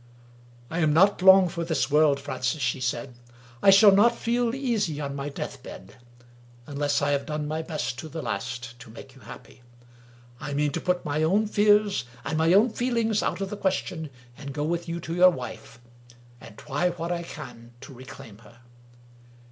" I am not long for this world, Francis," she said. " I shall not feel easy on my deathbed, unless I have done my best to the last to make you happy. I mean to put my own fears and my own feelings out of the question, and go with you to your wife, and try what I can do to reclaim her.